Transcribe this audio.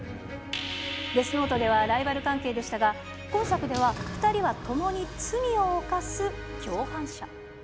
デスノートではライバル関係でしたが、今作では、２人は共に罪を犯す共犯者。